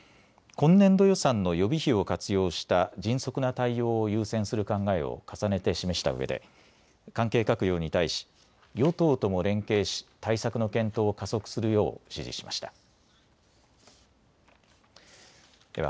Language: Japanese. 今年度予算の予備費を活用した迅速な対応を優先する考えを重ねて示したうえで関係閣僚に対し与党とも連携し対策の検討を加速するよう指示しました。